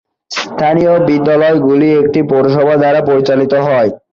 স্থানীয় বিদ্যালয়গুলি একটি পৌরসভা দ্বারা পরিচালিত হয়।